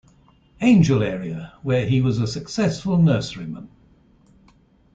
Angel area where he was a successful nurseryman.